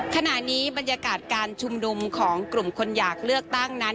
ขณะนี้บรรยากาศการชุมนุมของกลุ่มคนอยากเลือกตั้งนั้น